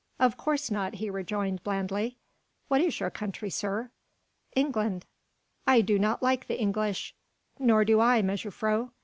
"Of course not," he rejoined blandly. "What is your country, sir?" "England." "I do not like the English." "Nor do I, mejuffrouw.